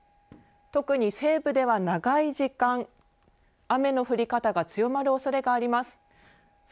特に西部では長い時間雨の降り方が強まるおそれがあります。